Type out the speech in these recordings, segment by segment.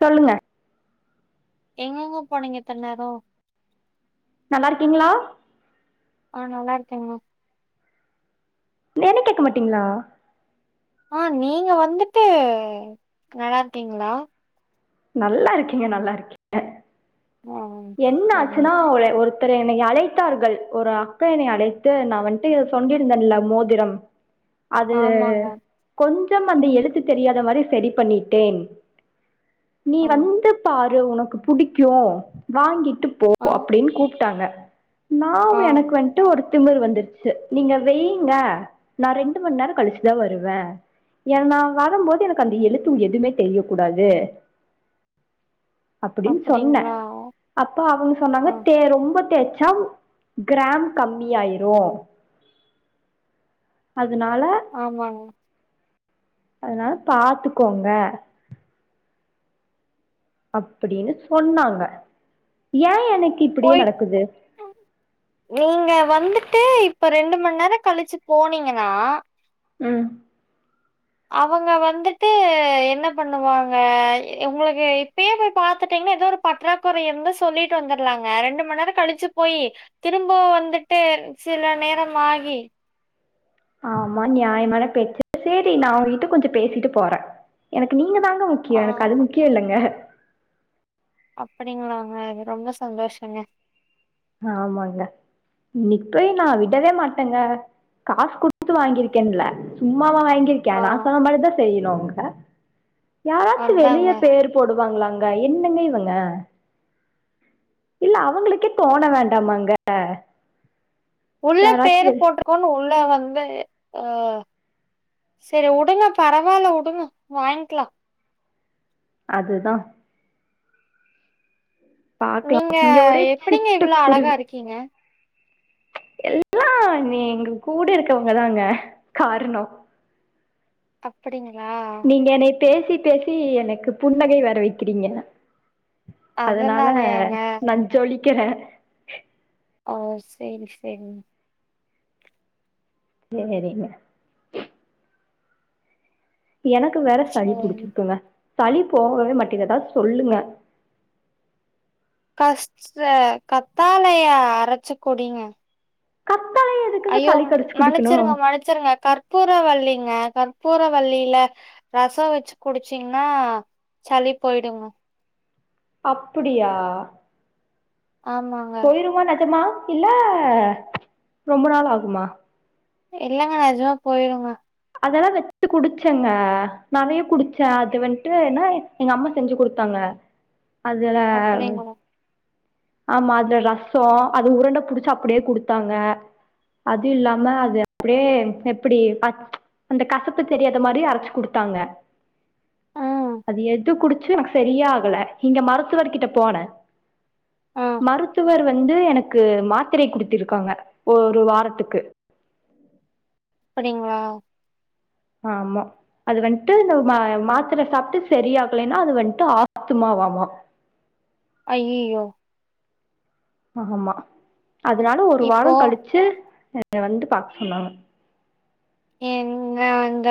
சொல்லுங்க எங்கங்க போனீங்க இத்தன் நேரம் நல்லா இருக்கீங்ளா ஆ நல்லா இருக்கேங்க டெய்லியு கேக்க மாட்டீங்ளா ஆ நீங்க வந்துட்டு நல்லா இருக்கீங்ளா நல்லா இருக்கங்க நல்லா இருக் ஆ என்ன சரிங்க ஆச்சுன்னா ஒரு ஒரு த்தரு என்னை அழைத்தார்கள் ஒரு அக்கா என்னை அழைத்து நா வன்ட்டு இத சொல்லியிருந்தேல்ல மோதிரம் அது ஆமாங்க கொஞ்சம் அந்த எழுத்து தெரியாத மாறி சரி பண்ணிட்டேன் நீ ஆ வந்து பா து உனக்கு புடிக்கும் வாங்கிட்டு போ ஆ அப்டின்னு கூப்ட்டாங்க நாவு ஆ எனக்கு வன் ட்டு ஒருத் திமிரு வந்துருச்சு நீங்க வைங்க நா ரெண்டு மண் நேரம் கழிச்சுதா வருவே ஏ நா வரம்போது எனக்கு அந்த எழுத்து எதுமே தெரிய கூடாது [inaudible] சொன்னே அப்டிங்ளா அப்ப அவங்க சொன்னாங்க தே ரொம்ப தேய்ச்சம் கிராம் கம்மி ஆயிரும் அதுனால ஆமாங்க அதனால பாத்துக்கோங்க அப்படின்னு சொன்னாங்க ஏன் எனக்கு இப்படியே போய் நடக்குது நீங்க வந்துட்டு இப்ப ரெண்டு மண் நேரம் கழிச்சு போனீங்கன்னா ம் அவங்க வந்துட்டு என்ன பண்ணுவாங்க உங்களுக்கு இப்பயே போயி பாத்துட்டீங்கன்னா ஏதோ ஒரு பற்றாக்குறை இருந்து சொல்லிட்டு வந்தர்லாங்க ரெண்டு மண் நேரம் கழிச்சு போயி திரும்ப வந்துட்டு சில நேரம் ஆகி ஆமா நியாயமான பேச்சு சேரி நா அவங்கக்கிட்ட கொஞ்சோ பேசிட்டு போறே எனக்கு நீங்க தாங்க மு க்கியம் ஆ எனக்கு அது முக்கியோ இல்லங்க அப்படிங்களாங்க ரொம்ப சந்தோஷங்க ஆமாங்க இன்னைக்கு போய் நா விடவே மாட்டேங்க காசு குடுத் து ம். வாங்கிருக்கேன்ல்ல சும்மாவா வாங்கிருக்கே ஆ நா சொன்ன மாறிதா செய்யணு அவங்க யாராச்சு வெளிய அதாங்க. பேர் போடுவாங்களாங்க என்னங்க இவங்க இல்ல அவங்களுக்கே தோண வேண்டாமாங்க உள்ள யாராச்சு பேரு வெ போட்டுக்கோன்னு உள்ள வந்து அ சரி உடுங்க பரவால்ல உடுங்க வாய்ங்க்ளா அதுதா பாக்கலா நீங்க இங்க ஒரே எப்படிங்க சிட்டு இவ்ளோ அழகா குருவி இருக்கீங்க எல்லா நீங்க கூட இருக்கவங்க தாங்க காரணம் அப்படிங்ளா நீங்க என்னை பேசி பேசி எனக்கு புன்னகை வர வைக்கறீங்க அதனால அதனாலயாங்க. நா ஜொலிக்கறே ஆ சேரி சேரிங் சேரிங்க எனக்கு வேற சளி ம். புடிச்சுக்குங்க சளி போகவே மட்டிது எதாவ் சொல்லுங்க கஸ்ட்ர கத்தாலைய அரச்சு குடிங்க கத்தாழை எதுக்குங்க ஐயோ சளி கடிச்சு குடிக்கணு மன்னிச்சிருங்க மன்னிச்சுருங்க கற்பூரவள்ளிங்க கற்பூர வள்ளி இல ரசோ வெச்சு குடிச்சீங்ன்னா சளி பொய்டுங்க அப்பிடியா ஆம்மா பொய்ருமா நெஜமா இல்ல ரொம்ப நாள் ஆகுமா இல்லங்க நெஜமா பொய்ருங்க அதெல்லா வெச் டு குடிச்செங்க நெறைய குடிச்ச அது வன்ட்டு என்னா எங்க அம்மா செஞ்சு குடுத்தாங்க அதுல அப்படிங்களா ஆம்மா அதுல ரசோ அது உருண்ட புடிச்சு அப்புடே குடுத்தாங்க அது இல்லாம அது அப்புடே எப்புடி பாத் அந்த கசப்பு தெரியாத மாரி அரச் குடுத்தாங்க ஆ அது எது குடிச்சு எனக் சரிய ஆகல இங்க மருத்துவர் கிட்ட போன ஆ மருத்துவர் வந்து எனக் க்கு மாத்திரை குடுத்திருக்காங்க ஒரு வாரத்துக்கு அப்படிங்களா ஆம்மா அது வன்ட்டு இந்த மா மாத்துர சாப்ட்டு செரியாகலைன்னா அது வன்ட்டு ஆஸத்துமாவாம்மா ஐயியோ ஆம்மா அதுனால ஒரு இப்போ வாரோம் களிச்சு என்ய வந்து பாக்க சொன்னாங்க எங்கங்க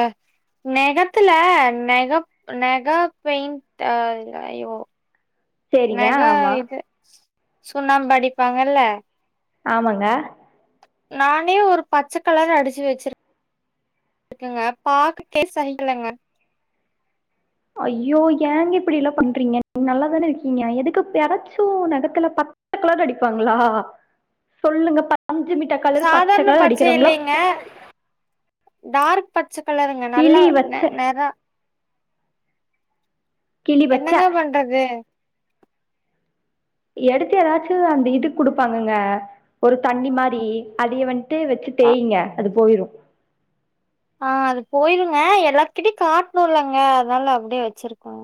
நெகத்துல நெகப் நெக பெயிண்ட் அ அய்யோ சேரிங்க நெக ஆமா இது சுண்ணாம்பு அடிப்பாங்கல்ல ஆமாங்க நானே ஒரு பச்ச கலர் அடிச்சு வெச்சிரு இக்குங்க பாக்ககே சகிக்கலங்க ஐயோ ஏங்க இப்புடி இல்லா பண்றீங்க நீ நல்லாதானே இருக்கீங்க எதுக்குப் பரச்சு நெகத்துல பத் சக் கலர் அடிப்பாங்களா சொல்லுங்க பஞ்சுமிட்டா கலரு பச்ச சாதாரண கலர் அடிக்கிறவங்களப் இல்லைங்க டார்க் பச்ச கலருங்க நல்லா கிளி நெ வச்ச நெறா கிளி வச்ச என்னங்க பண்றது எடுத்து ஏதாச்சு அந்த இது குடுப்பாங்கங்க ஒரு தண்ணி மாரி அதியவன் ட்டு வெச்சு ஆ தேய்ங்க அது பொய்ரு அ அது போய்ருங்க எல்லாத்கிட்டய காட்டணுல்லங்க அத்னால அப்டே வச்சிருக்கோ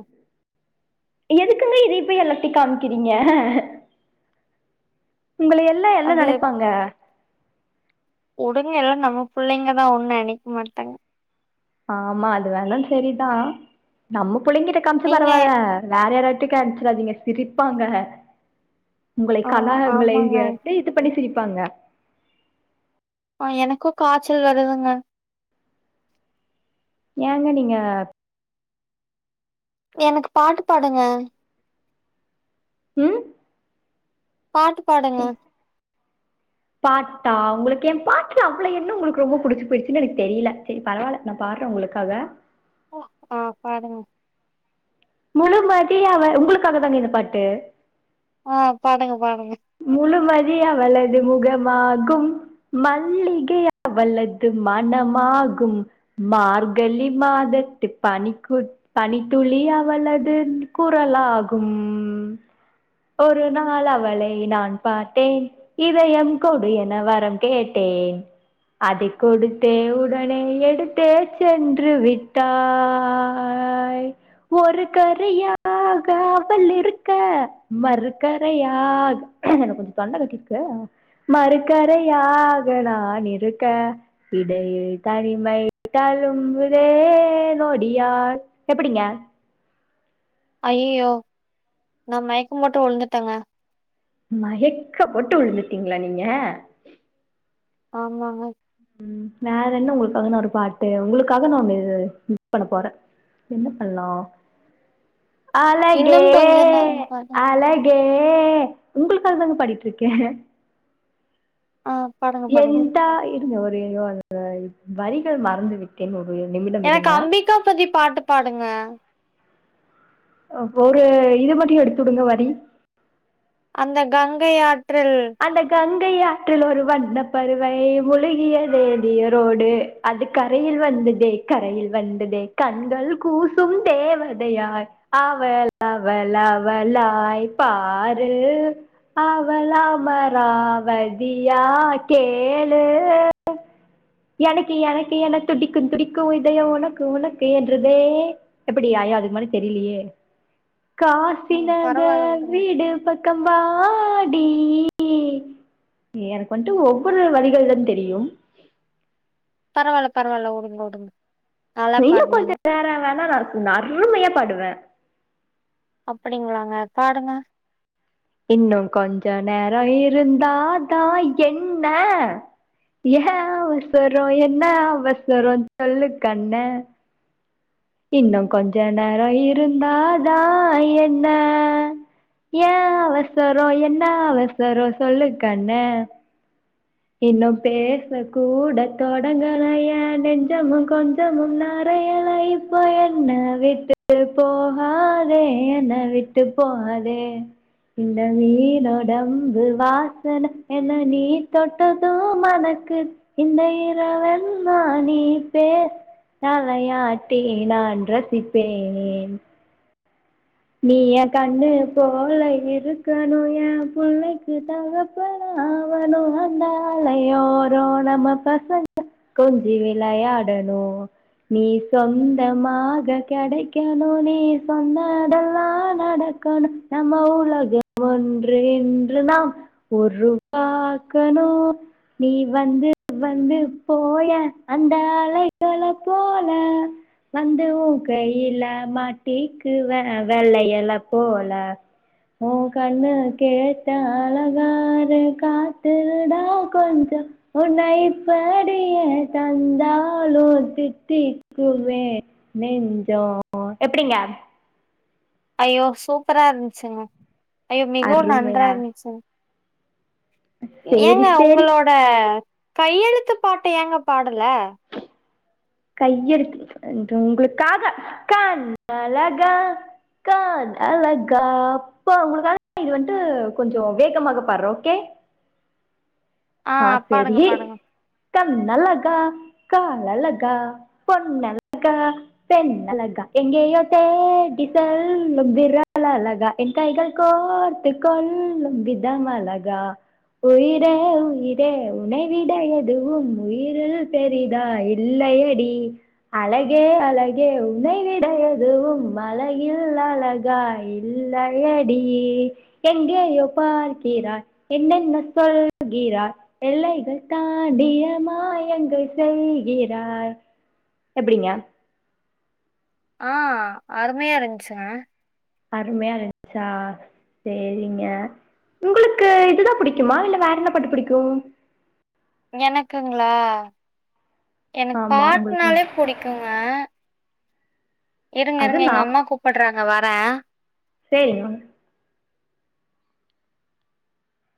எதுக்குங்க இதே போய் எல்லாத்ட்டி காமிக்கிறீங்க உங்களயெல்லா என்ன அது நெனைப்பாங்க உடுங்க எல்லா நம்ம புள்ளைங்கதா ஒண்ணு நெனைக் மாட்டாங்க ஆம்மா அது வேணுன் செரிதா நம்ம புள்ளைங்கிட்ட காமிச்சா நீங்க பரவால்ல வேற யார்யார்ட்டு காமிச்சுராதிங்க சிரிப்பாங்க உங்களை ஆ கலா உங்களை ஆமாங்க எ ட்டே இது பண்ணி சிரிப்பாங்க அ எனக்கூ காச்சல் வருதுங்க ஏங்க நீங்க எனக் பாட்டு பாடுங்க ம் பாட்டு பாடுங்க பாட்டா உங்களுக்கு என் பாட்டுல அவ்ள என்ன உங்களுக்கு ரொம்ப புடிச்சு போயிடுச்சுன்னு எனக்கு தெரியல சரி பரவாயில்ல நா பாடறே உங்களுக்காக ஒ ஆ பாடுங்க முழுமதி அவ உங்களுக்காக தாங்க இந்த பாட்டு ஆ பாடுங்க பாடுங்க முழுமதி அவளது முகமாகும் மல்லிகை அவளது மணமாகும் மார்கழி மாதத்து பனிக்கு பனித்துளி அவளது குரலாகும் ஒரு நாள் அவளை நான் பார்த்தேன் இதயம் கொடு என வரம் கேட்டேன் அதை கொடுத்தே உடனே எடுத்தே சென்று விட்டா ய் ஒரு கரையாக அவள் இருக்க மறுக்கரையாக எனக்கு கொஞ்ச தொண்டை கட்டிருக்கு மறுக்கரை யாக நான் இருக்க இடையில் தனிமை தழும்புதே நொடியால் எப்டிங்க ஐய்யய்யோ நா மயக்கம் போட்டு உழுந்துட்டேங்க மயக்கம் போட்டு வுழுந்துட்டீங்களா நீங்க ஆமாங்க ம் வேற என்ன உங்களுக்காக நான் ஒரு பாட்டு உங்களுக்காக நான் உங்க [unintelligible] பண்ண போறே என்ன பண்ணலா அழகே இன்னும் கொஞ்ச நேரம் பாடுங்க அழ கே உங்களுக்காக தாங்க பாடிட்டு இருக்கே ஆ பாடுங்க என் பாடுங்க தாய் இருங்க ஒரு அந்த வரிகள் மறந்து விட்டேன் ஒரு நிமிடம் இருங்க க்கா பத்தி பாட்டு பாடுங்க ஒரு இது மட்டு எடுத்துடுங்க வரி அந்த கங்கை ஆற்றில் அந்த கங்கை ஆற்றில் ஒரு வண்ண பறவை முழுகியதே நீரோடு அது கரையில் வந்ததே கரையில் வந்ததே கண்கள் கூசும் தேவதையாய் அவள் அவளாவளாய் பாரு அவள அமாராவதியா கேளு எனக்கு எனக்கு என துடிக்கும் துடிக்கும் இதயோம் உனக்கு உனக்கு என்றதே எப்படி யா அதுக்கு மேல தெரியலையே ம் பரவால்ல காசிநகர் விடுங்க வீடு ப க்கம் வாடி எனக்கு வந்துட்டு ஒவ்வொரு வரிகள் தான் தெரியும் பரவால்ல பரவாயில்ல வுடுங்க வுடுங் இன்னு கொஞ்ச நேர வேணா இருக்கு நா அருமையா பாடுவே அப்டிங்களாங்க பாடுங்க இன்னும் கொஞ்சோ நேரோ இருந்தா தா என்ன எ அவ்சரோ என்ன அவசரோ சொல்லு கண்ண இன்னும் கொஞ்ச நேரோ இருந்தாதா என்ன ஏ அவசரோ என்ன அவசரோ சொல்லு கண்ண இன்னும் பேச கூட தொடங்கலயே நெஞ்சமும் கொஞ்சமும் ந [unintelligible] ப என்ன விட்டுட்டு போகாதே என்ன விட்டு போகாதே இந்த மீனோடம்பு வாசன என்ன நீ தொட் டது மணக்கு இந்த இரவல் நா நீ பே தலை ஆட்டி நான் ரசிப்பேனே நீ என் கண்ணு போல இருக்கனு என் பிள்ளைக்கு தகப் பனா கணும் அந்த அலையோரோ நம்ம பசங்க கொஞ்சி விளயாடனு நீ சொந்தமாக கெடைக்கனு நீ சொன்னதல் லாம் நடக்கனு நம்ம உலகில் ஒன்று என்று நாம் உருவாக்கனு நீ வந்து வந்து போயா அந்த அலைகள போல வந்து உன் கையில மாட்டிக்குவ வளையள போல உன் கண்ணு கேத்த அலங்கார காத்து இருடா கொஞ்சோ உன்னை இப்படியே தந்தாலு தித்திக்குமே நெஞ்சோ எப்டிங்க ஐயோ சூப்பரா இருந்ச்சுங்க ஐயோ மிகவும் நன்றா அருமையா இருந்ச்சுங் ஏங்க சரி சரி உவங்களோட கையெழுத்து பாட்டு ஏங்க பாடல கையெழுத்து உங்களுக்காக கண் அழகா காதழகா இப்ப உங்களுக்காக இது வந்டு கொஞ்சோ வேகமாக பாட்றோ ஓகே ஆ பாடுங்க சேரி பாடுங்க கண்ணழகா காதழகா கா பொண்ணழகா பெண் அழகா எங்கயோ தேடி செல்லும் விரலழகா என் கைகள் கோர்த்து கொள்ளும் விதம் அழகா உயிரே உயிரே உன்னை விட எதுவும் உயிரில் பெரிதாய் இல் இல்லையடி அழகே அழகே உன்னை விட எதுவும் அழகில் அழக் காய் இல்லையடி எங்கேயோ பார்க்கிறாய் என்னமோ சொல்கிறாய் எல்லைகள் தாண்டியே மாயங்கள் செய்கி றாய் எப்டிங்க ஆ அருமையா இருந்ச்சுங்க அருமையா இருந்ச்சா செரிங்க உங்குளுக்கு இதுதா பிடிக்குமா இல்ல வேற என்ன பாட்டு பிடிக்கு எனக்குங்ளா எனக் ஆமா உங்களுக்கு பாட்னாலே ப் புடிக்குங்க இருங்க அது இருங்க எங்க நான் அம்மா கூப்புட்றாங்க வர்றே சேரிங்க